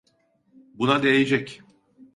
Buna değecek.